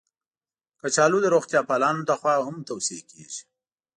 کچالو د روغتیا پالانو لخوا هم توصیه کېږي